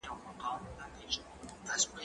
زه اوس ليک لولم؟